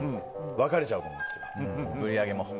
分かれちゃうと思うんです売り上げも。